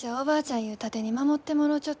盾に守ってもろうちょった。